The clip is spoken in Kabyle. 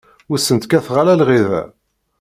Ur sent-kkateɣ ara lɣiḍa.